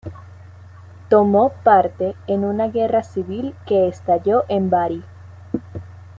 Tomó parte en una guerra civil que estalló en Bari.